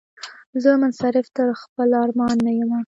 زه منصرف تر خپل ارمان نه یمه